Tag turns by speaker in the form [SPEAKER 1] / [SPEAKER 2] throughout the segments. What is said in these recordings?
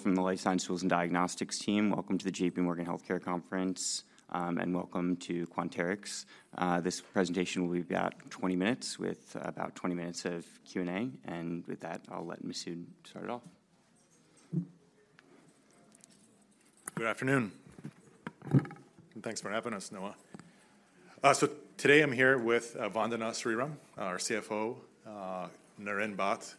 [SPEAKER 1] Hello, everyone. I'm Noah from the Life Science Tools and Diagnostics team. Welcome to the J.P. Morgan Healthcare Conference, and welcome to Quanterix. This presentation will be about 20 minutes, with about 20 minutes of Q&A. With that, I'll let Masoud start it off.
[SPEAKER 2] Good afternoon, and thanks for having us, Noah. So today I'm here with Vandana Sriram, our CFO; Naren Bhat,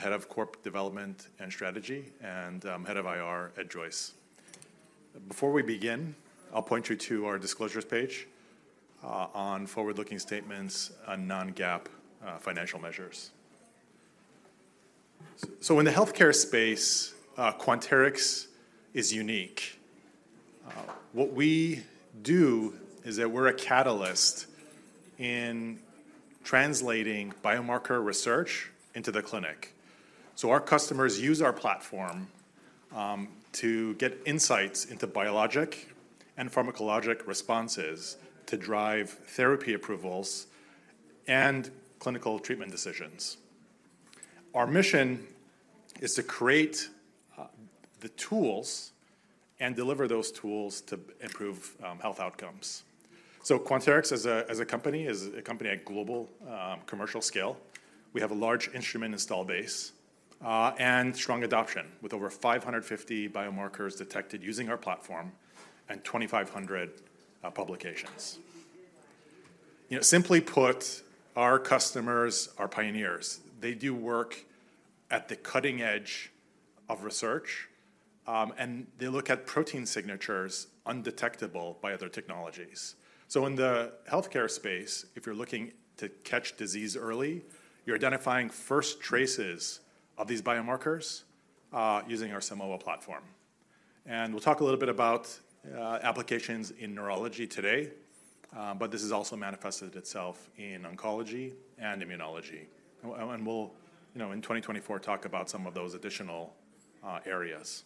[SPEAKER 2] head of Corp Development and Strategy; and head of IR, Ed Joyce. Before we begin, I'll point you to our disclosures page on forward-looking statements on non-GAAP financial measures. So in the healthcare space, Quanterix is unique. What we do is that we're a catalyst in translating biomarker research into the clinic. So our customers use our platform to get insights into biologic and pharmacologic responses to drive therapy approvals and clinical treatment decisions. Our mission is to create the tools and deliver those tools to improve health outcomes. So Quanterix, as a company, is a company at global commercial scale. We have a large instrument install base, and strong adoption, with over 550 biomarkers detected using our platform and 2,500 publications. You know, simply put, our customers are pioneers. They do work at the cutting edge of research, and they look at protein signatures undetectable by other technologies. So in the healthcare space, if you're looking to catch disease early, you're identifying first traces of these biomarkers, using our Simoa platform. And we'll talk a little bit about applications in neurology today, but this has also manifested itself in oncology and immunology. And we'll, you know, in 2024, talk about some of those additional areas.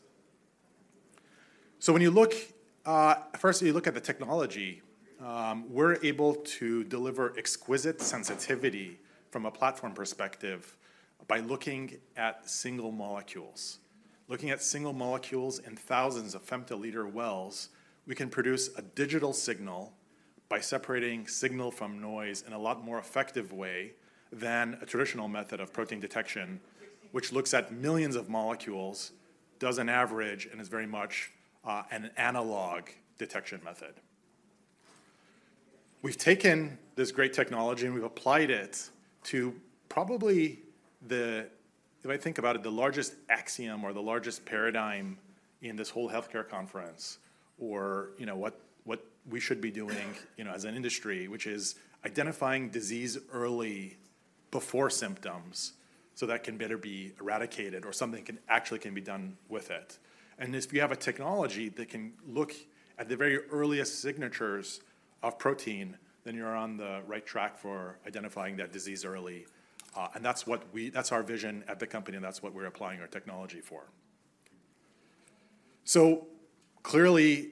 [SPEAKER 2] So when you look... firstly, you look at the technology, we're able to deliver exquisite sensitivity from a platform perspective by looking at single molecules. Looking at single molecules in thousands of femtoliter wells, we can produce a digital signal by separating signal from noise in a lot more effective way than a traditional method of protein detection, which looks at millions of molecules, does an average, and is very much an analog detection method. We've taken this great technology, and we've applied it to probably the, if I think about it, the largest axiom or the largest paradigm in this whole healthcare conference, or, you know, what, what we should be doing, you know, as an industry, which is identifying disease early before symptoms, so that can better be eradicated or something can actually can be done with it. If you have a technology that can look at the very earliest signatures of protein, then you're on the right track for identifying that disease early, and that's our vision at the company, and that's what we're applying our technology for. So clearly,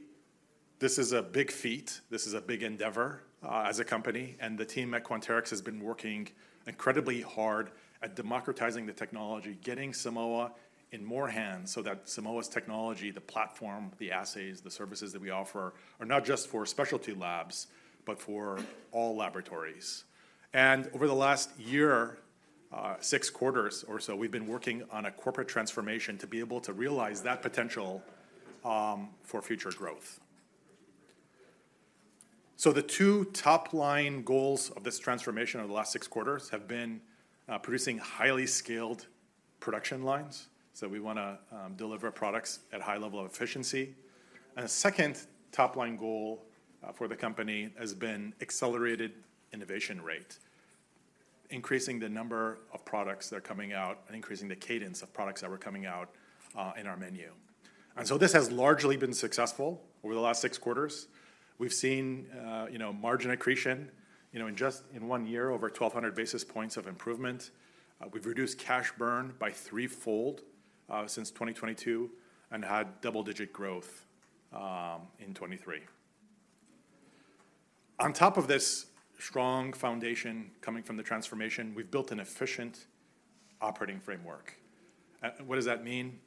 [SPEAKER 2] this is a big feat. This is a big endeavor, as a company, and the team at Quanterix has been working incredibly hard at democratizing the technology, getting Simoa in more hands, so that Simoa's technology, the platform, the assays, the services that we offer, are not just for specialty labs, but for all laboratories. And over the last year, six quarters or so, we've been working on a corporate transformation to be able to realize that potential, for future growth. So the two top-line goals of this transformation over the last six quarters have been producing highly scaled production lines, so we wanna deliver products at high level of efficiency. And the second top-line goal for the company has been accelerated innovation rate, increasing the number of products that are coming out and increasing the cadence of products that were coming out in our menu. And so this has largely been successful over the last six quarters. We've seen you know, margin accretion, you know, in just one year, over 1,200 basis points of improvement. We've reduced cash burn by threefold since 2022 and had double-digit growth in 2023. On top of this strong foundation coming from the transformation, we've built an efficient operating framework. And what does that mean?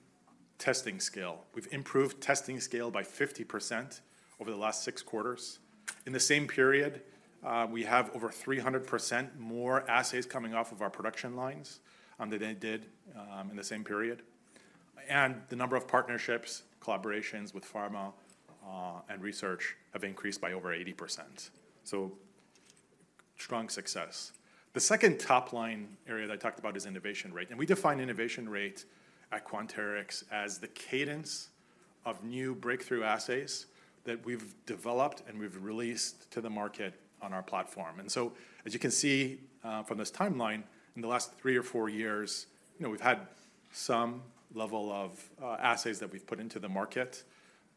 [SPEAKER 2] Testing scale. We've improved testing scale by 50% over the last six quarters. In the same period, we have over 300% more assays coming off of our production lines than they did in the same period. The number of partnerships, collaborations with pharma, and research have increased by over 80%. So strong success. The second top-line area that I talked about is innovation rate, and we define innovation rate at Quanterix as the cadence of new breakthrough assays that we've developed and we've released to the market on our platform. And so, as you can see, from this timeline, in the last three or four years, you know, we've had some level of, assays that we've put into the market,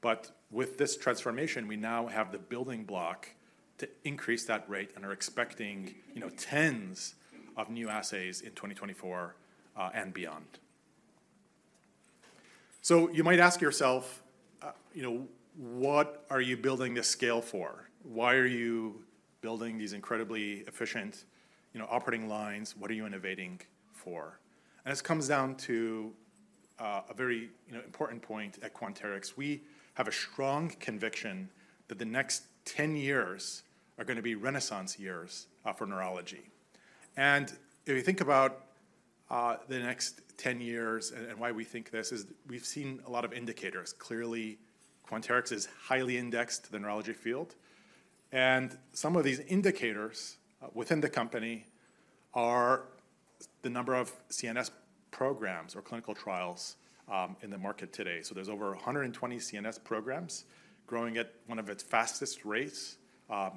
[SPEAKER 2] but with this transformation, we now have the building block to increase that rate and are expecting, you know, tens of new assays in 2024, and beyond.... So you might ask yourself, you know, what are you building this scale for? Why are you building these incredibly efficient, you know, operating lines? What are you innovating for? And this comes down to, a very, you know, important point at Quanterix. We have a strong conviction that the next 10 years are gonna be renaissance years, for neurology. And if you think about, the next 10 years and, and why we think this is we've seen a lot of indicators. Clearly, Quanterix is highly indexed to the neurology field, and some of these indicators within the company are the number of CNS programs or clinical trials in the market today. So there's over 120 CNS programs growing at one of its fastest rates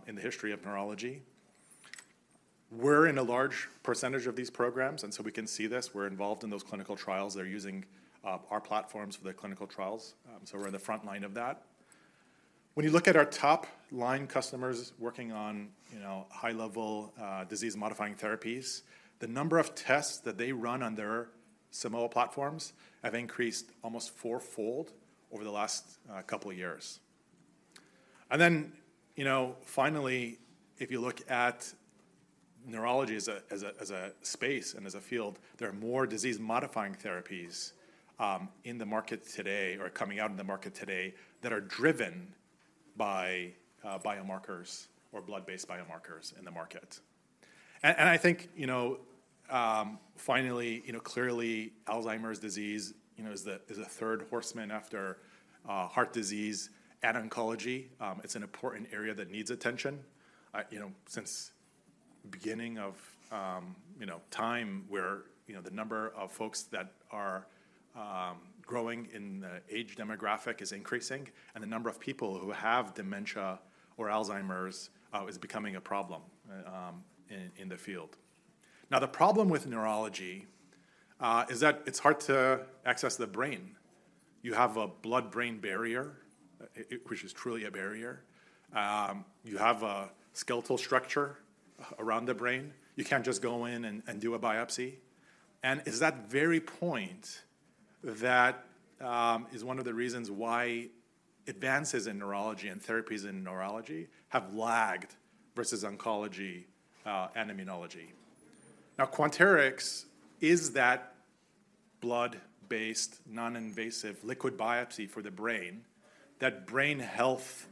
[SPEAKER 2] in the history of neurology. We're in a large percentage of these programs, and so we can see this. We're involved in those clinical trials. They're using our platforms for their clinical trials, so we're in the front line of that. When you look at our top-line customers working on, you know, high-level disease-modifying therapies, the number of tests that they run on their Simoa platforms have increased almost fourfold over the last couple of years. Then, you know, finally, if you look at neurology as a space and as a field, there are more disease-modifying therapies in the market today or coming out in the market today that are driven by biomarkers or blood-based biomarkers in the market. And I think, you know, finally, you know, clearly, Alzheimer's disease is the third horseman after heart disease and oncology. It's an important area that needs attention. You know, since the beginning of time where, you know, the number of folks that are growing in the age demographic is increasing, and the number of people who have dementia or Alzheimer's is becoming a problem in the field. Now, the problem with neurology is that it's hard to access the brain. You have a blood-brain barrier, which is truly a barrier. You have a skeletal structure around the brain. You can't just go in and do a biopsy, and it's that very point that is one of the reasons why advances in neurology and therapies in neurology have lagged versus oncology and immunology. Now, Quanterix is that blood-based, non-invasive liquid biopsy for the brain, that brain health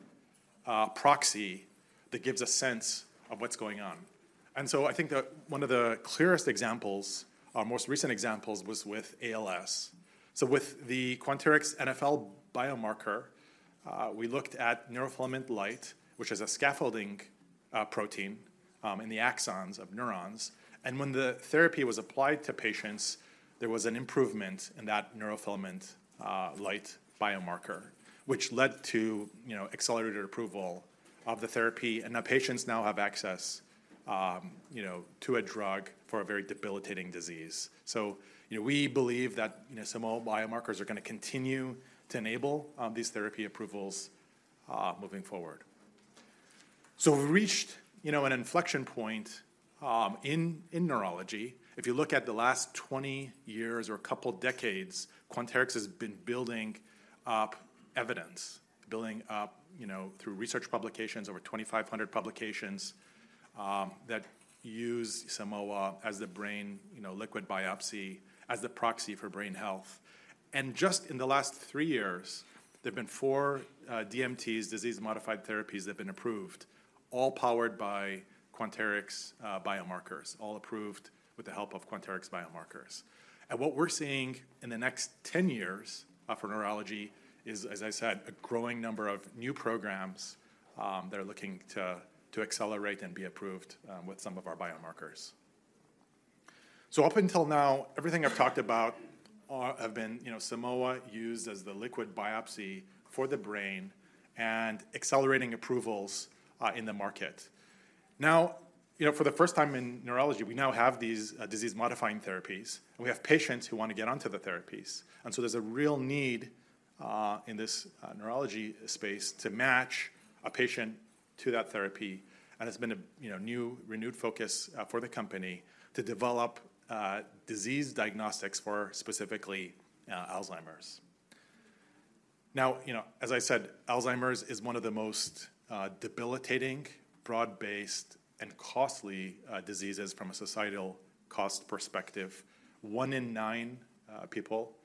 [SPEAKER 2] proxy that gives a sense of what's going on. And so I think the one of the clearest examples or most recent examples was with ALS. So with the Quanterix NfL biomarker, we looked at neurofilament light, which is a scaffolding protein in the axons of neurons, and when the therapy was applied to patients, there was an improvement in that neurofilament light biomarker, which led to, you know, accelerated approval of the therapy, and now patients have access, you know, to a drug for a very debilitating disease. So, you know, we believe that, you know, Simoa biomarkers are gonna continue to enable these therapy approvals moving forward. So we've reached, you know, an inflection point in neurology. If you look at the last 20 years or couple decades, Quanterix has been building up evidence, building up, you know, through research publications, over 2,500 publications that use Simoa as the brain, you know, liquid biopsy, as the proxy for brain health. And just in the last three years, there have been four DMTs, disease-modifying therapies, that have been approved, all powered by Quanterix biomarkers, all approved with the help of Quanterix biomarkers. And what we're seeing in the next 10 years for neurology is, as I said, a growing number of new programs that are looking to accelerate and be approved with some of our biomarkers. So up until now, everything I've talked about have been, you know, Simoa used as the liquid biopsy for the brain and accelerating approvals in the market. Now, you know, for the first time in neurology, we now have these disease-modifying therapies, and we have patients who want to get onto the therapies. And so there's a real need in this neurology space to match a patient to that therapy, and there's been a, you know, new, renewed focus for the company to develop disease diagnostics for specifically Alzheimer's. Now, you know, as I said, Alzheimer's is one of the most debilitating, broad-based, and costly diseases from a societal cost perspective. One in nine people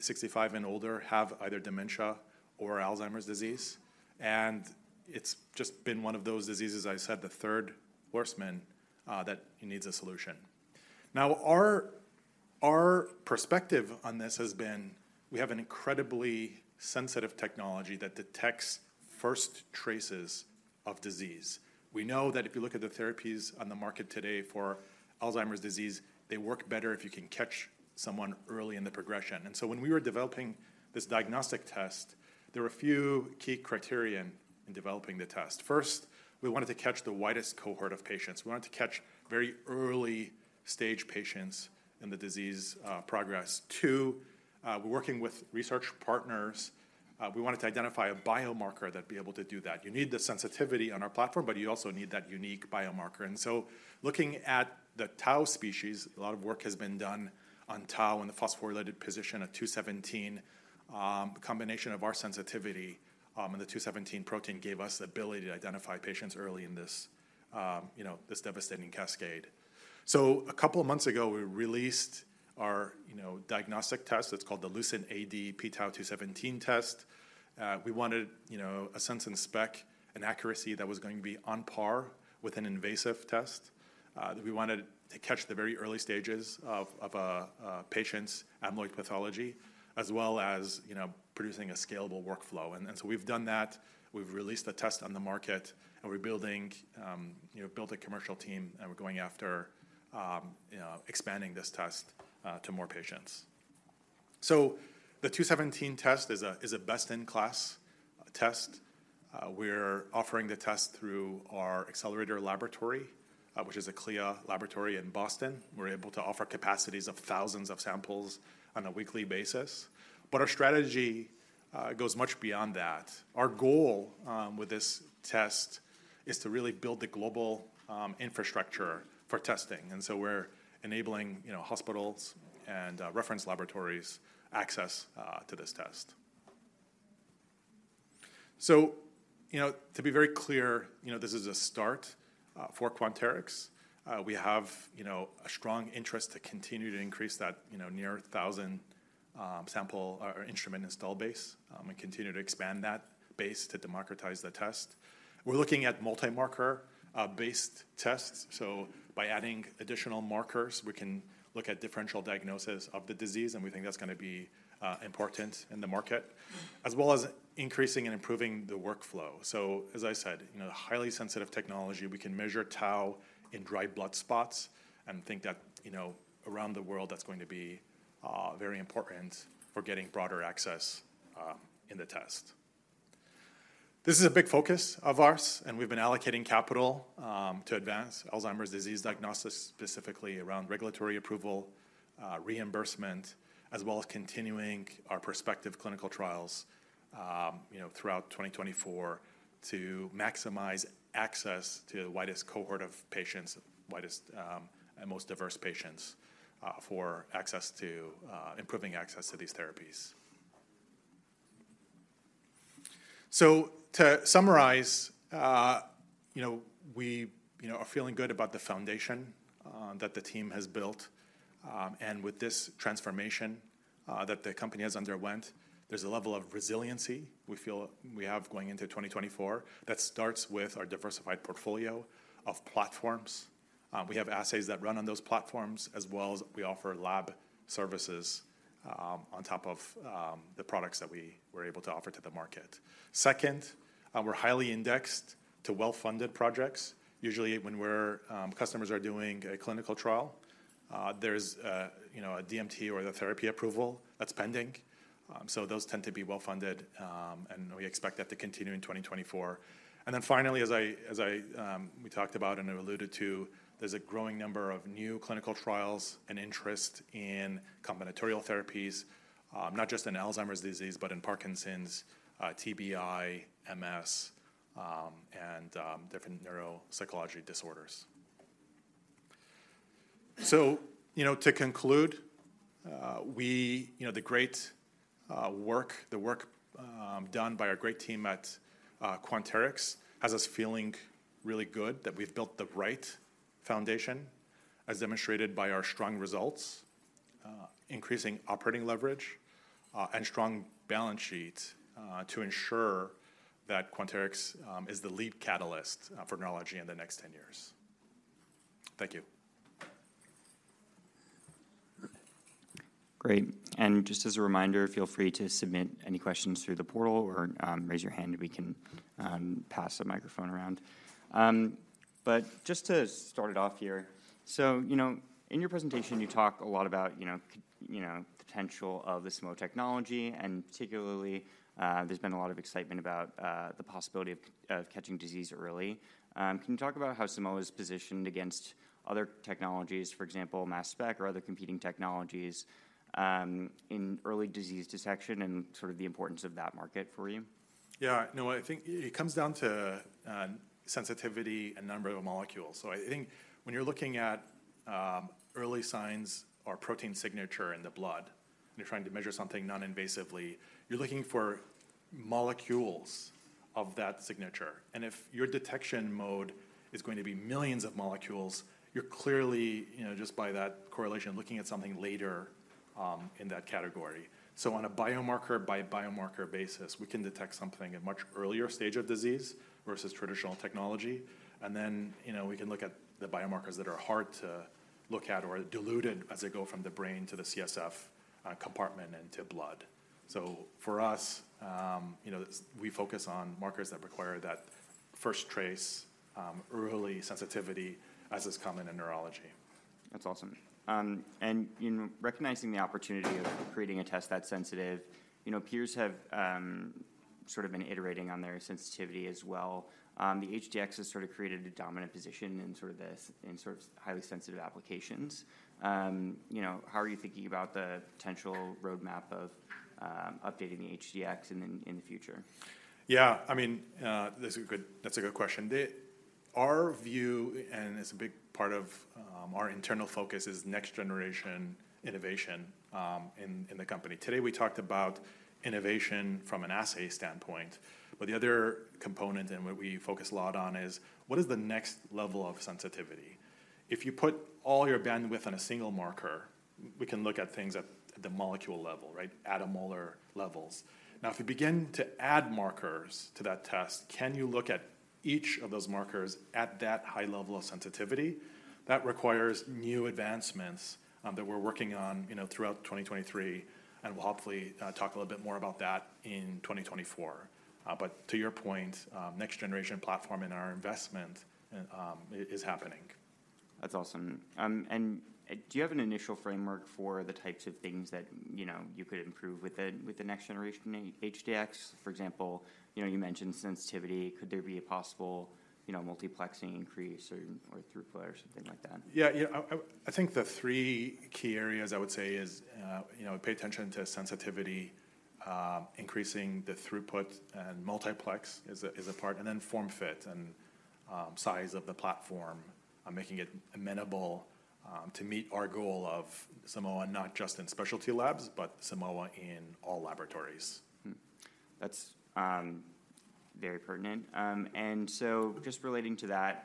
[SPEAKER 2] 65 and older have either dementia or Alzheimer's disease, and it's just been one of those diseases, I said, the third horseman that needs a solution. Now, our perspective on this has been we have an incredibly sensitive technology that detects first traces of disease. We know that if you look at the therapies on the market today for Alzheimer's disease, they work better if you can catch someone early in the progression. When we were developing this diagnostic test, there were a few key criteria in developing the test. First, we wanted to catch the widest cohort of patients. We wanted to catch very early-stage patients in the disease progress. Two, we wanted to identify a biomarker that'd be able to do that. You need the sensitivity on our platform, but you also need that unique biomarker. Looking at the tau species, a lot of work has been done on tau and the phosphorylated position of 217. Combination of our sensitivity and the 217 protein gave us the ability to identify patients early in this, you know, this devastating cascade. A couple of months ago, we released our, you know, diagnostic test. It's called the LucentAD p-Tau 217 test. We wanted, you know, a sense in spec and accuracy that was going to be on par with an invasive test. We wanted to catch the very early stages of a patient's amyloid pathology, as well as, you know, producing a scalable workflow. So we've done that. We've released the test on the market, and we're building, you know, built a commercial team, and we're going after, you know, expanding this test to more patients. So the 217 test is a best-in-class test. We're offering the test through our Accelerator laboratory, which is a CLIA laboratory in Boston. We're able to offer capacities of thousands of samples on a weekly basis. But our strategy goes much beyond that. Our goal with this test is to really build the global infrastructure for testing. And so we're enabling, you know, hospitals and reference laboratories access to this test. So, you know, to be very clear, you know, this is a start for Quanterix. We have, you know, a strong interest to continue to increase that, you know, near 1,000 sample or instrument install base, and continue to expand that base to democratize the test. We're looking at multi-marker based tests. So by adding additional markers, we can look at differential diagnosis of the disease, and we think that's gonna be important in the market, as well as increasing and improving the workflow. So, as I said, you know, highly sensitive technology, we can measure tau in dried blood spots and think that, you know, around the world, that's going to be very important for getting broader access in the test. This is a big focus of ours, and we've been allocating capital to advance Alzheimer's disease diagnosis, specifically around regulatory approval, reimbursement, as well as continuing our prospective clinical trials, you know, throughout 2024 to maximize access to the widest cohort of patients, widest and most diverse patients, improving access to these therapies. So to summarize, you know, we, you know, are feeling good about the foundation that the team has built. And with this transformation that the company has underwent, there's a level of resiliency we feel we have going into 2024 that starts with our diversified portfolio of platforms. We have assays that run on those platforms as well as we offer lab services on top of the products that we were able to offer to the market. Second, we're highly indexed to well-funded projects. Usually, when we're, customers are doing a clinical trial, there's a, you know, a DMT or a therapy approval that's pending, so those tend to be well-funded, and we expect that to continue in 2024. And then finally, as I, we talked about and I alluded to, there's a growing number of new clinical trials and interest in combinatorial therapies, not just in Alzheimer's disease, but in Parkinson's, TBI, MS, and different neuropsychological disorders. So, you know, to conclude, we, you know, the great work done by our great team at Quanterix has us feeling really good that we've built the right foundation, as demonstrated by our strong results, increasing operating leverage, and strong balance sheet, to ensure that Quanterix is the lead catalyst for neurology in the next 10 years. Thank you.
[SPEAKER 1] Great. And just as a reminder, feel free to submit any questions through the portal or raise your hand, and we can pass the microphone around. But just to start it off here, so you know, in your presentation, you talk a lot about, you know, you know, potential of the Simoa technology, and particularly, there's been a lot of excitement about the possibility of catching disease early. Can you talk about how Simoa is positioned against other technologies, for example, MassSpec or other competing technologies, in early disease detection and sort of the importance of that market for you?
[SPEAKER 2] Yeah. No, I think it comes down to, sensitivity and number of molecules. So I think when you're looking at, early signs or protein signature in the blood, you're trying to measure something non-invasively, you're looking for molecules of that signature. And if your detection mode is going to be millions of molecules, you're clearly, you know, just by that correlation, looking at something later, in that category. So on a biomarker-by-biomarker basis, we can detect something at much earlier stage of disease versus traditional technology. And then, you know, we can look at the biomarkers that are hard to look at or are diluted as they go from the brain to the CSF, compartment into blood. So for us, you know, we focus on markers that require that first trace, early sensitivity as is common in neurology.
[SPEAKER 1] That's awesome. And in recognizing the opportunity of creating a test that's sensitive, you know, peers have, you know, sort of been iterating on their sensitivity as well. The HD-X has sort of created a dominant position in sort of this, in sort of highly sensitive applications. You know, how are you thinking about the potential roadmap of updating the HD-X in the future?
[SPEAKER 2] Yeah, I mean, that's a good, that's a good question. Our view, and it's a big part of our internal focus, is next generation innovation in the company. Today, we talked about innovation from an assay standpoint, but the other component and what we focus a lot on is: what is the next level of sensitivity? If you put all your bandwidth on a single marker, we can look at things at the molecule level, right? Attomolar-levels. Now, if you begin to add markers to that test, can you look at each of those markers at that high level of sensitivity? That requires new advancements that we're working on, you know, throughout 2023, and we'll hopefully talk a little bit more about that in 2024. But to your point, next generation platform and our investment is happening.
[SPEAKER 1] That's awesome. And do you have an initial framework for the types of things that, you know, you could improve with the next-generation HD-X? For example, you know, you mentioned sensitivity. Could there be a possible, you know, multiplexing increase or throughput or something like that?
[SPEAKER 2] Yeah, yeah. I think the three key areas I would say is, you know, pay attention to sensitivity, increasing the throughput and multiplex is a, is a part, and then form fit and size of the platform, making it amenable to meet our goal of Simoa not just in specialty labs, but Simoa in all laboratories.
[SPEAKER 1] Mm-hmm. That's very pertinent. And so just relating to that,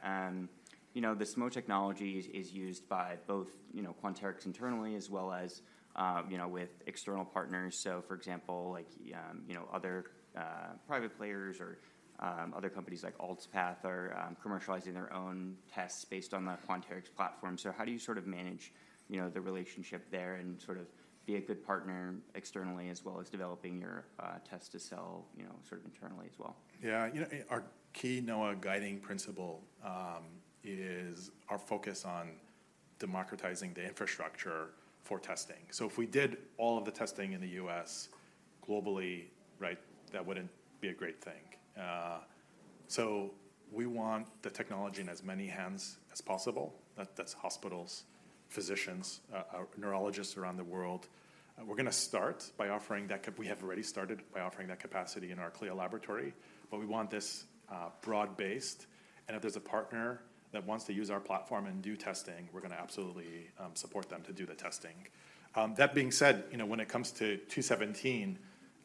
[SPEAKER 1] you know, the Simoa technology is used by both, you know, Quanterix internally as well as, you know, with external partners. So, for example, like, you know, other private players or other companies like ALZpath are commercializing their own tests based on the Quanterix platform. So how do you sort of manage, you know, the relationship there and sort of be a good partner externally as well as developing your test-to-sell, you know, sort of internally as well?
[SPEAKER 2] Yeah, you know, our key, Noah, guiding principle, is our focus on democratizing the infrastructure for testing. So if we did all of the testing in the U.S. globally, right, that wouldn't be a great thing. So we want the technology in as many hands as possible. That's hospitals, physicians, neurologists around the world. We have already started by offering that capacity in our CLIA laboratory, but we want this, broad-based, and if there's a partner that wants to use our platform and do testing, we're gonna absolutely, support them to do the testing. That being said, you know, when it comes to 217,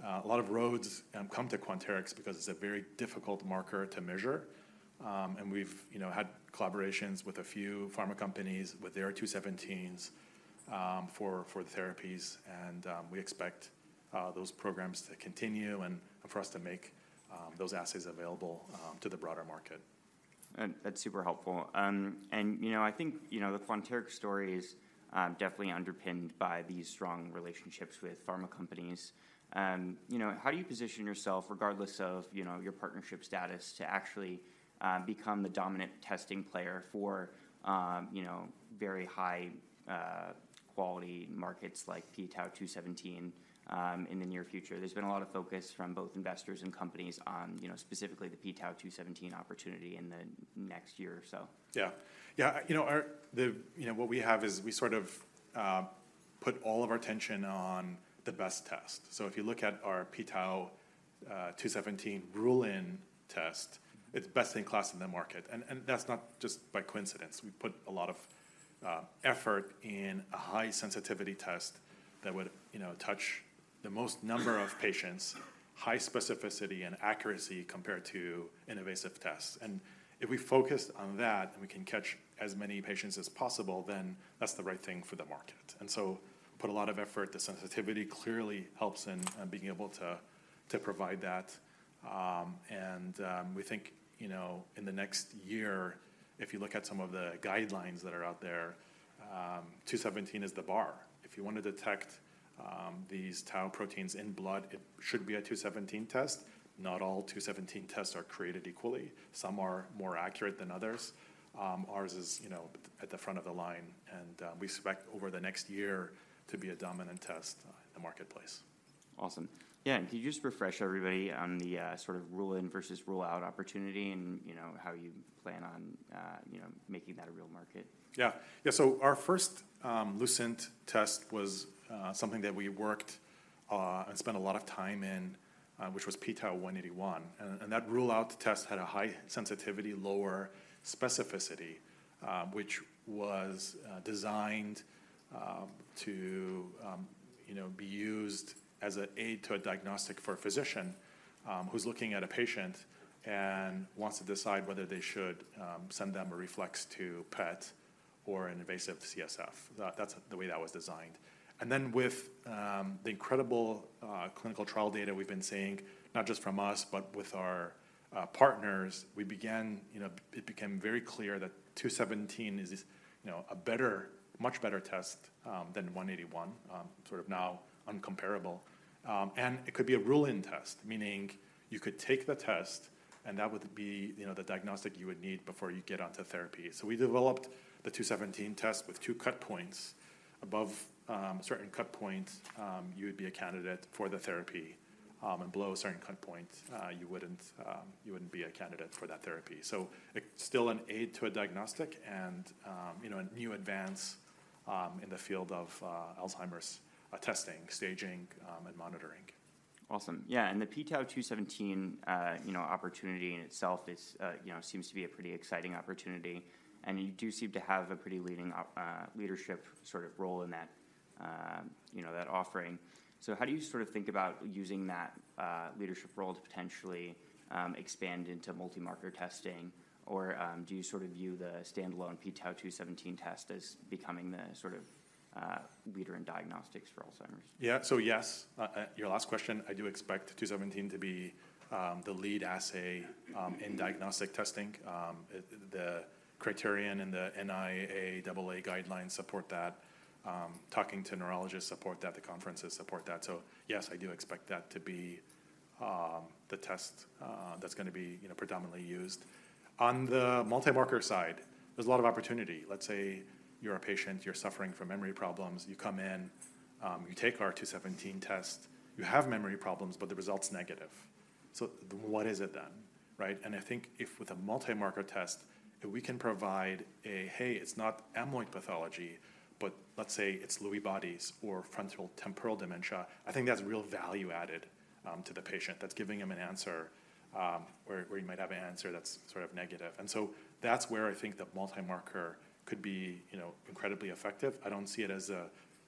[SPEAKER 2] a lot of roads come to Quanterix because it's a very difficult marker to measure. And we've, you know, had collaborations with a few pharma companies with their 217s, for therapies, and we expect those programs to continue and for us to make those assays available to the broader market.
[SPEAKER 1] That's super helpful. You know, I think, you know, the Quanterix story is definitely underpinned by these strong relationships with pharma companies. You know, how do you position yourself, regardless of, you know, your partnership status, to actually become the dominant testing player for, you know, very high quality markets like p-Tau 217 in the near future? There's been a lot of focus from both investors and companies on, you know, specifically the p-Tau 217 opportunity in the next year or so.
[SPEAKER 2] Yeah. Yeah, you know, you know, what we have is we sort of put all of our attention on the best test. So if you look at our p-Tau 217 rule-in test, it's best in class in the market, and that's not just by coincidence. We put a lot of effort in a high-sensitivity test that would, you know, touch the most number of patients, high specificity and accuracy compared to an invasive test. And if we focus on that, and we can catch as many patients as possible, then that's the right thing for the market. And so put a lot of effort. The sensitivity clearly helps in being able to provide that. And we think, you know, in the next year, if you look at some of the guidelines that are out there, two seventeen is the bar. If you want to detect these tau proteins in blood, it should be a two seventeen test. Not all two seventeen tests are created equally. Some are more accurate than others. Ours is, you know, at the front of the line, and we expect over the next year to be a dominant test in the marketplace.
[SPEAKER 1] Awesome. Yeah, and could you just refresh everybody on the sort of rule-in versus rule-out opportunity and, you know, how you plan on, you know, making that a real market?
[SPEAKER 2] Yeah. Yeah, so our first Lucent test was something that we worked and spent a lot of time in, which was p-Tau 181, and that rule-out test had a high sensitivity, lower specificity, which was designed to you know be used as an aid to a diagnostic for a physician who's looking at a patient and wants to decide whether they should send them a reflex to PET or an invasive CSF. That's the way that was designed. And then, with the incredible clinical trial data we've been seeing, not just from us, but with our partners, we began. You know, it became very clear that 217 is you know a better, much better test than 181, sort of now incomparable. And it could be a rule-in test, meaning you could take the test, and that would be, you know, the diagnostic you would need before you get onto therapy. So we developed the 217 test with two cut points. Above certain cut points, you would be a candidate for the therapy, and below a certain cut point, you wouldn't be a candidate for that therapy. So it's still an aid to a diagnostic and, you know, a new advance in the field of Alzheimer's testing, staging, and monitoring.
[SPEAKER 1] Awesome. Yeah, and the p-Tau 217, you know, opportunity in itself is, you know, seems to be a pretty exciting opportunity, and you do seem to have a pretty leading, leadership sort of role in that, you know, that offering. So how do you sort of think about using that, leadership role to potentially, expand into multi-marker testing? Or, do you sort of view the standalone p-Tau 217 test as becoming the sort of, leader in diagnostics for Alzheimer's?
[SPEAKER 2] Yeah. So yes, your last question, I do expect 217 to be the lead assay in diagnostic testing. The criterion and the NIA-AA guidelines support that. Talking to neurologists support that, the conferences support that. So yes, I do expect that to be the test that's gonna be, you know, predominantly used. On the multi-marker side, there's a lot of opportunity. Let's say you're a patient, you're suffering from memory problems. You come in, you take our 217 test, you have memory problems, but the result's negative. So what is it then, right? And I think if with a multi-marker test, if we can provide a, "Hey, it's not amyloid pathology, but let's say it's Lewy bodies or frontotemporal dementia," I think that's real value added to the patient. That's giving him an answer where he might have an answer that's sort of negative. And so that's where I think the multi-marker could be, you know, incredibly effective. I don't see it as,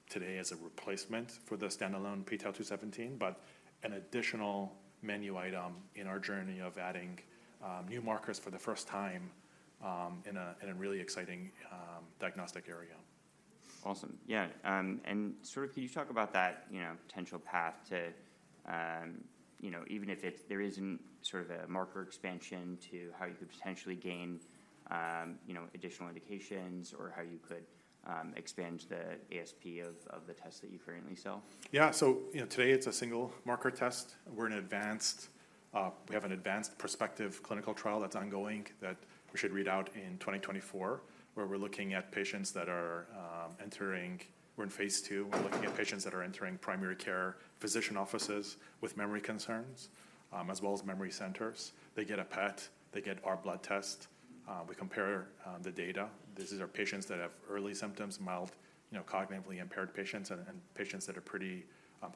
[SPEAKER 2] today, as a replacement for the standalone p-Tau 217, but an additional menu item in our journey of adding new markers for the first time in a really exciting diagnostic area.
[SPEAKER 1] Awesome. Yeah, and sort of can you talk about that, you know, potential path to, you know, even if it, there isn't sort of a marker expansion to how you could potentially gain, you know, additional indications or how you could, expand the ASP of, of the test that you currently sell?
[SPEAKER 2] Yeah. So, you know, today it's a single marker test. We're an advanced, we have an advanced prospective clinical trial that's ongoing that we should read out in 2024, where we're looking at patients that are, entering-- we're in phase II. We're looking at patients that are entering primary care physician offices with memory concerns, as well as memory centers. They get a PET, they get our blood test, we compare, the data. This is our patients that have early symptoms, mild, you know, cognitively impaired patients and, and patients that are pretty,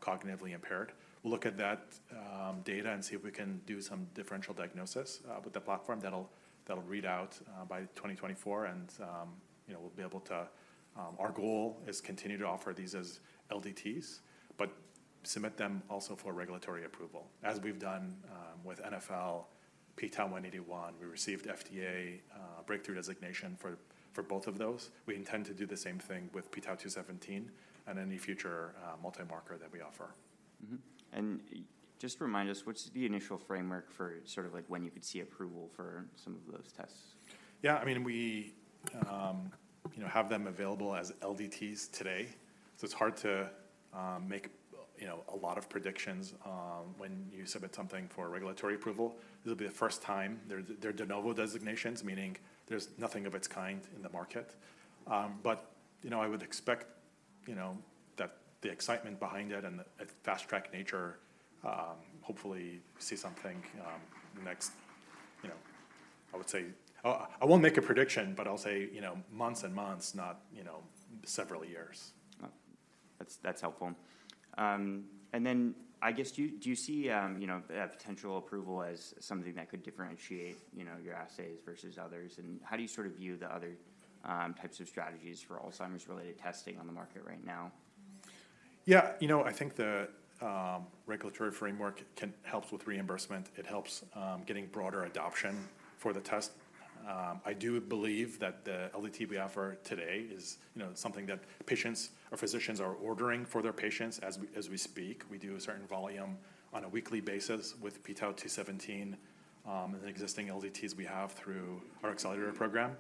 [SPEAKER 2] cognitively impaired. Look at that, data and see if we can do some differential diagnosis, with the platform. That'll read out by 2024 and, you know, we'll be able to, our goal is continue to offer these as LDTs, but submit them also for regulatory approval. As we've done, with NfL, p-Tau 181, we received FDA breakthrough designation for both of those. We intend to do the same thing with p-Tau 217 and any future multi-marker that we offer.
[SPEAKER 1] Mm-hmm. And just remind us, what's the initial framework for sort of like when you could see approval for some of those tests?
[SPEAKER 2] Yeah, I mean, we, you know, have them available as LDTs today, so it's hard to make, you know, a lot of predictions when you submit something for regulatory approval. This will be the first time. They're, they're de novo designations, meaning there's nothing of its kind in the market. But, you know, I would expect, you know, that the excitement behind it and the fast-track nature hopefully see something the next, you know, I would say... I won't make a prediction, but I'll say, you know, months and months, not, you know, several years.
[SPEAKER 1] That's, that's helpful. And then I guess, do you, do you see, you know, a potential approval as something that could differentiate, you know, your assays versus others? And how do you sort of view the other, types of strategies for Alzheimer's-related testing on the market right now?
[SPEAKER 2] Yeah, you know, I think the regulatory framework helps with reimbursement. It helps getting broader adoption for the test. I do believe that the LDT we offer today is, you know, something that patients or physicians are ordering for their patients as we, as we speak. We do a certain volume on a weekly basis with p-Tau 217, and the existing LDTs we have through our accelerator program.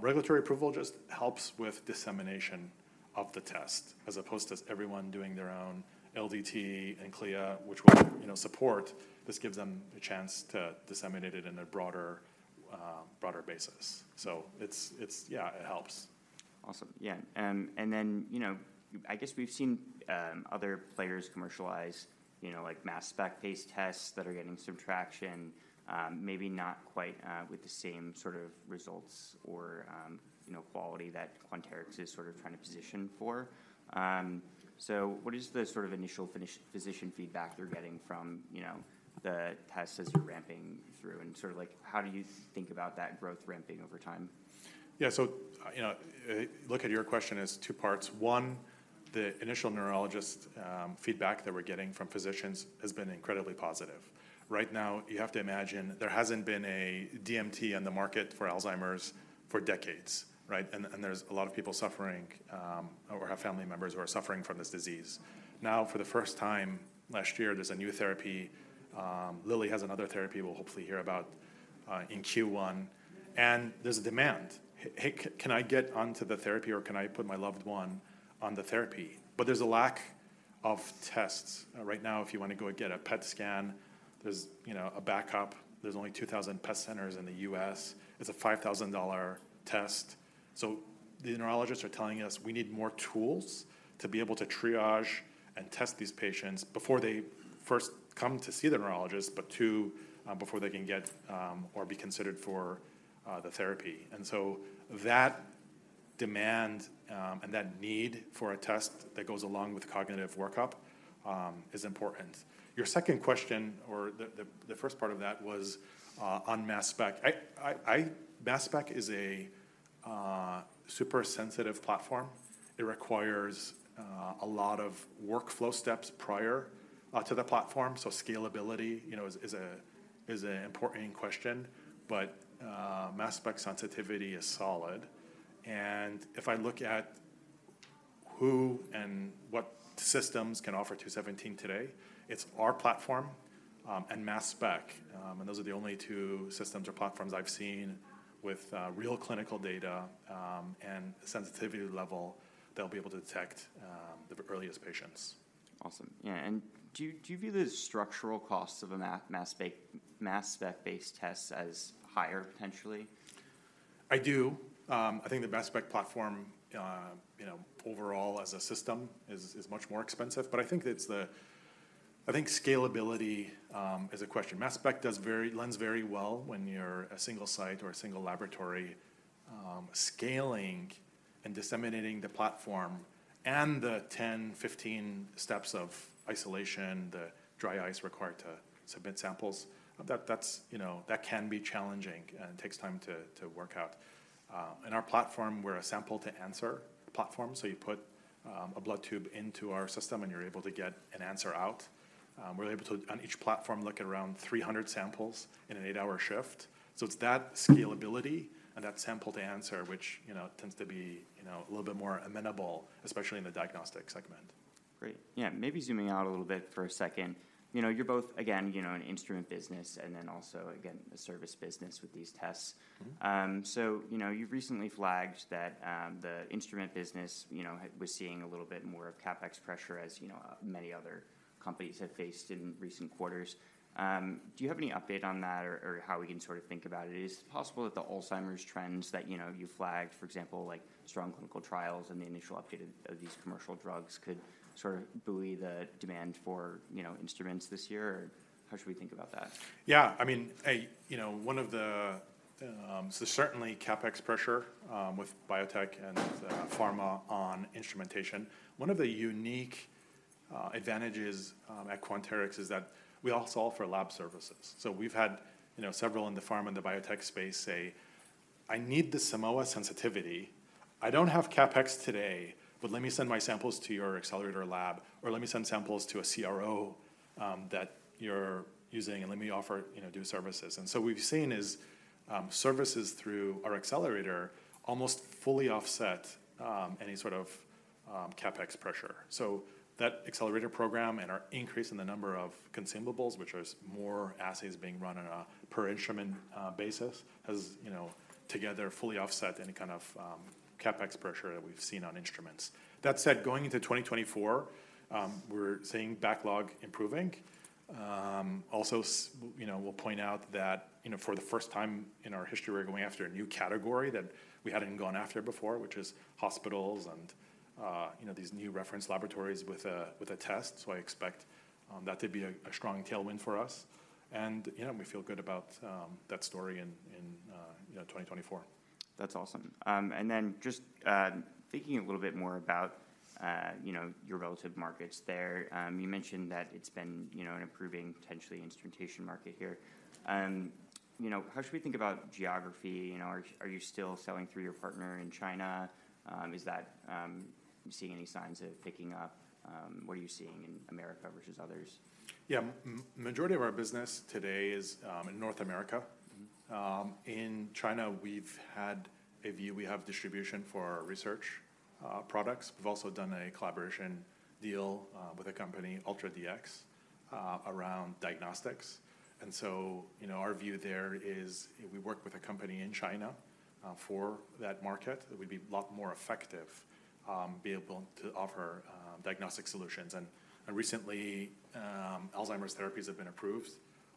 [SPEAKER 2] Regulatory approval just helps with dissemination of the test, as opposed to everyone doing their own LDT and CLIA, which we'll, you know, support. This gives them a chance to disseminate it in a broader, broader basis. So it's, it's, yeah, it helps.
[SPEAKER 1] Awesome. Yeah, and then, you know, I guess we've seen other players commercialize, you know, like mass spec-based tests that are getting some traction, maybe not quite with the same sort of results or, you know, quality that Quanterix is sort of trying to position for. So what is the sort of initial physician feedback they're getting from, you know, the test as you're ramping through, and sort of like, how do you think about that growth ramping over time?
[SPEAKER 2] Yeah, so, you know, look at your question as two parts. One, the initial neurologist feedback that we're getting from physicians has been incredibly positive. Right now, you have to imagine there hasn't been a DMT on the market for Alzheimer's for decades, right? And there's a lot of people suffering, or have family members who are suffering from this disease. Now, for the first time, last year, there's a new therapy. Lilly has another therapy we'll hopefully hear about in Q1, and there's a demand. "Hey, can I get onto the therapy, or can I put my loved one on the therapy?" But there's a lack of tests. Right now, if you wanna go and get a PET scan, there's, you know, a backup. There's only 2,000 PET centers in the U.S. It's a $5,000 test. So the neurologists are telling us we need more tools to be able to triage and test these patients before they first come to see the neurologist, but too, before they can get, or be considered for, the therapy. And so that demand, and that need for a test that goes along with cognitive workup, is important. Your second question, or the first part of that was, on mass spec. MassSpec is a super sensitive platform. It requires a lot of workflow steps prior to the platform, so scalability, you know, is an important question. But mass spec sensitivity is solid, and if I look at who and what systems can offer 217 today, it's our platform, and MassSpec. Those are the only two systems or platforms I've seen with real clinical data and sensitivity level that'll be able to detect the earliest patients.
[SPEAKER 1] Awesome. Yeah, and do you view the structural costs of a mass spec-based test as higher, potentially?
[SPEAKER 2] I do. I think the MassSpec platform, you know, overall as a system is much more expensive, but I think it's the... I think scalability is a question. MassSpec does very well when you're a single site or a single laboratory. Scaling and disseminating the platform and the 10, 15 steps of isolation, the dry ice required to submit samples, that's, you know, that can be challenging and takes time to work out. In our platform, we're a sample-to-answer platform, so you put a blood tube into our system, and you're able to get an answer out. We're able to, on each platform, look at around 300 samples in an eight-hour shift. So it's that scalability and that sample-to-answer, which, you know, tends to be, you know, a little bit more amenable, especially in the diagnostic segment.
[SPEAKER 1] Great. Yeah, maybe zooming out a little bit for a second. You know, you're both, again, you know, an instrument business and then also, again, a service business with these tests.
[SPEAKER 2] Mm-hmm.
[SPEAKER 1] So, you know, you've recently flagged that the instrument business, you know, was seeing a little bit more of CapEx pressure, as you know, many other companies have faced in recent quarters. Do you have any update on that or how we can sort of think about it? Is it possible that the Alzheimer's trends that, you know, you flagged, for example, like strong clinical trials and the initial update of these commercial drugs, could sort of buoy the demand for, you know, instruments this year? How should we think about that?
[SPEAKER 2] Yeah. I mean, you know, one of the... So certainly, CapEx pressure with biotech and pharma on instrumentation. One of the unique advantages at Quanterix is that we also offer lab services. So we've had, you know, several in the pharma and the biotech space say, "I need the Simoa sensitivity. I don't have CapEx today, but let me send my samples to your accelerator lab, or let me send samples to a CRO that you're using, and let me offer, you know, do services." And so what we've seen is services through our accelerator almost fully offset any sort of CapEx pressure. So that accelerator program and our increase in the number of consumables, which is more assays being run on a per instrument basis, you know, together fully offset any kind of CapEx pressure that we've seen on instruments. That said, going into 2024, we're seeing backlog improving. Also, you know, we'll point out that, you know, for the first time in our history, we're going after a new category that we hadn't gone after before, which is hospitals and, you know, these new reference laboratories with a test. So I expect that to be a strong tailwind for us. And, you know, we feel good about that story in 2024.
[SPEAKER 1] That's awesome. And then just thinking a little bit more about, you know, your relative markets there, you mentioned that it's been, you know, an improving, potentially, instrumentation market here. You know, how should we think about geography? You know, are you still selling through your partner in China? Is that seeing any signs of picking up? What are you seeing in America versus others?
[SPEAKER 2] Yeah. Majority of our business today is in North America.
[SPEAKER 1] Mm-hmm.
[SPEAKER 2] In China, we've had a view. We have distribution for our research products. We've also done a collaboration deal with a company, UltraDx, around diagnostics. And so, you know, our view there is if we work with a company in China for that market, that we'd be a lot more effective, be able to offer diagnostic solutions. And recently, Alzheimer's therapies have been approved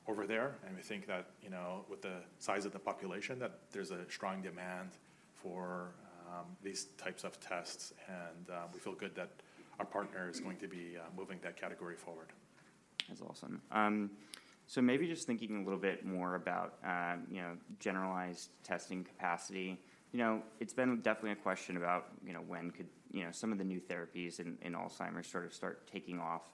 [SPEAKER 2] over there, and we think that, you know, with the size of the population, that there's a strong demand for these types of tests, and we feel good that our partner is going to be moving that category forward.
[SPEAKER 1] That's awesome. So maybe just thinking a little bit more about, you know, generalized testing capacity. You know, it's been definitely a question about, you know, when could, you know, some of the new therapies in Alzheimer's sort of start taking off.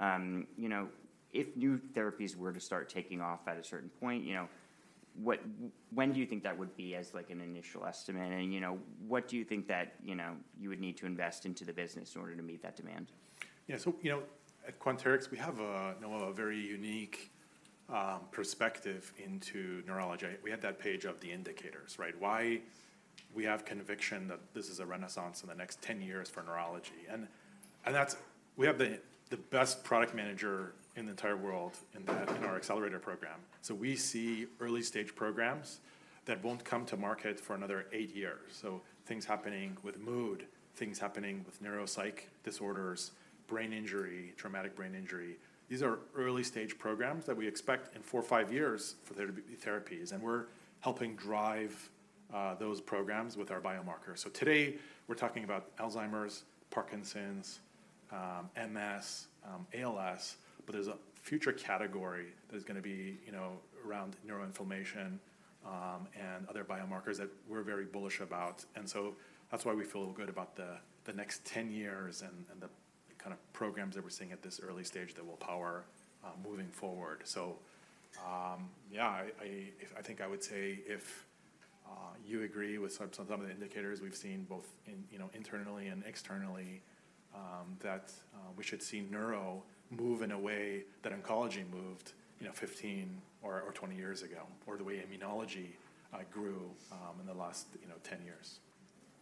[SPEAKER 1] You know, if new therapies were to start taking off at a certain point, you know, what... when do you think that would be as, like, an initial estimate? And, you know, what do you think that, you know, you would need to invest into the business in order to meet that demand?
[SPEAKER 2] Yeah, so, you know, at Quanterix, we have a, you know, a very unique perspective into neurology. We had that page of the indicators, right? Why we have conviction that this is a renaissance in the next 10 years for neurology. And, and that's- we have the, the best product manager in the entire world in that, in our accelerator program. So we see early-stage programs that won't come to market for another eight years. So things happening with mood, things happening with neuropsych disorders, brain injury, traumatic brain injury. These are early-stage programs that we expect in four or five years for there to be therapies, and we're helping drive those programs with our biomarkers. So today, we're talking about Alzheimer's, Parkinson's-... MS, ALS, but there's a future category that is gonna be, you know, around neuroinflammation, and other biomarkers that we're very bullish about. And so that's why we feel good about the next 10 years and the kind of programs that we're seeing at this early stage that will power moving forward. So, yeah, I think I would say if you agree with some of the indicators we've seen both in, you know, internally and externally, that we should see neuro move in a way that oncology moved, you know, 15 or 20 years ago, or the way immunology grew in the last, you know, 10 years.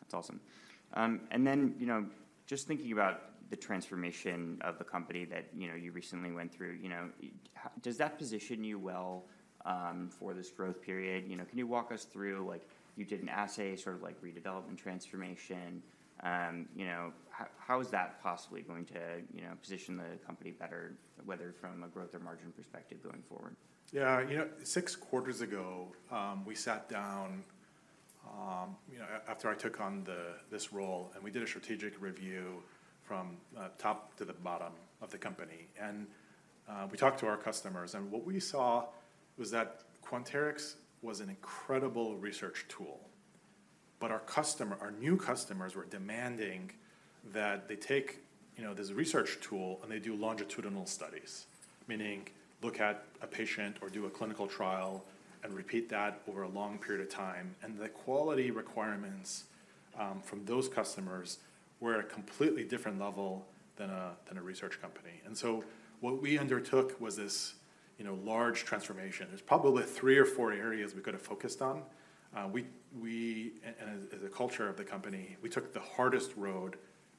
[SPEAKER 1] That's awesome. And then, you know, just thinking about the transformation of the company that, you know, you recently went through, you know, does that position you well for this growth period? You know, can you walk us through, like, you did an assay, sort of like redevelopment transformation, you know, how is that possibly going to, you know, position the company better, whether from a growth or margin perspective going forward?
[SPEAKER 2] Yeah, you know, six quarters ago, we sat down, you know, after I took on this role, and we did a strategic review from top to the bottom of the company. And we talked to our customers, and what we saw was that Quanterix was an incredible research tool, but our new customers were demanding that they take, you know, this research tool, and they do longitudinal studies. Meaning, look at a patient or do a clinical trial and repeat that over a long period of time, and the quality requirements from those customers were a completely different level than a research company. And so what we undertook was this, you know, large transformation. There's probably three or four areas we could have focused on. And as a culture of the company, we took the hardest road,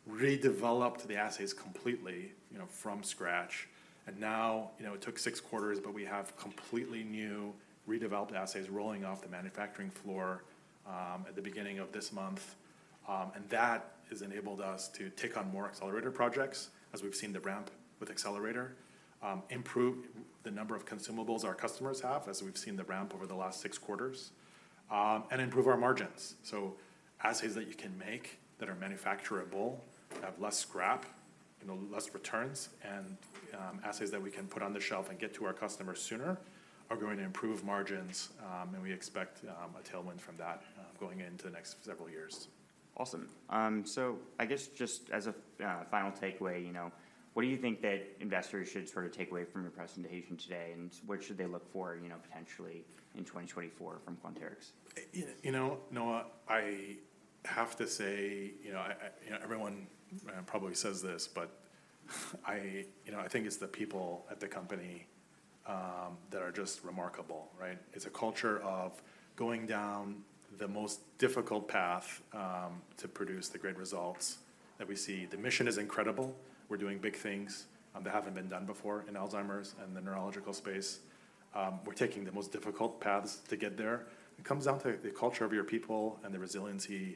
[SPEAKER 2] redeveloped the assays completely, you know, from scratch, and now... You know, it took six quarters, but we have completely new, redeveloped assays rolling off the manufacturing floor at the beginning of this month. And that has enabled us to take on more Accelerator projects, as we've seen the ramp with Accelerator improve the number of consumables our customers have, as we've seen the ramp over the last six quarters, and improve our margins. So assays that you can make, that are manufacturable, have less scrap, you know, less returns, and assays that we can put on the shelf and get to our customers sooner are going to improve margins, and we expect a tailwind from that going into the next several years.
[SPEAKER 1] Awesome. So I guess just as a final takeaway, you know, what do you think that investors should sort of take away from your presentation today, and what should they look for, you know, potentially in 2024 from Quanterix?
[SPEAKER 2] You know, Noah, I have to say, you know, everyone probably says this, but you know, I think it's the people at the company that are just remarkable, right? It's a culture of going down the most difficult path to produce the great results that we see. The mission is incredible. We're doing big things that haven't been done before in Alzheimer's and the neurological space. We're taking the most difficult paths to get there. It comes down to the culture of your people and the resiliency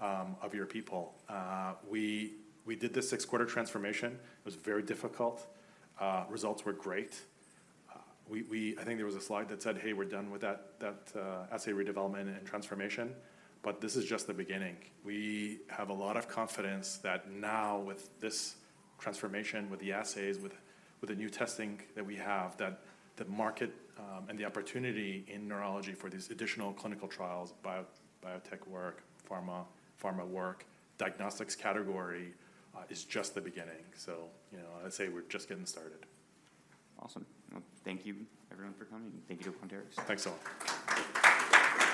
[SPEAKER 2] of your people. We did this six-quarter transformation. It was very difficult. Results were great. We, I think there was a slide that said, "Hey, we're done with that assay redevelopment and transformation," but this is just the beginning. We have a lot of confidence that now, with this transformation, with the assays, with the new testing that we have, that the market and the opportunity in neurology for these additional clinical trials, biotech work, pharma work, diagnostics category is just the beginning. So, you know, I'd say we're just getting started.
[SPEAKER 1] Awesome. Well, thank you, everyone, for coming, and thank you to Quanterix.
[SPEAKER 2] Thanks, all.